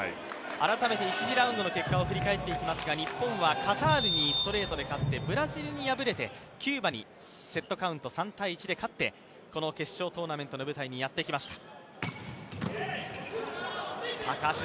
改めて１次ラウンドの結果を振り返っていきますが日本はカタールにストレートで勝ってブラジルに敗れて、キューバにセットカウント３‐１で勝ってこの決勝トーナメントの舞台にやってきました。